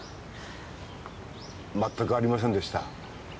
まったくありませんでした。